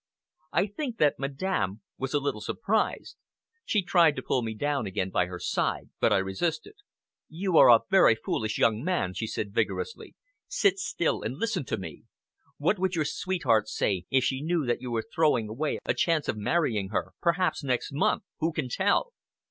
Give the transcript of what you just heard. I think that Madame was a little surprised. She tried to pull me down again by her side, but I resisted. "You are a very foolish young man," she said vigorously. "Sit still and listen to me! What would your sweetheart say if she knew that you were throwing away a chance of marrying her, perhaps next month? Who can tell?"